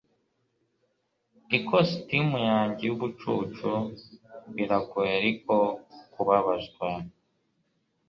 ikositimu yanjye yubucucu, biragoye ariko kubabazwa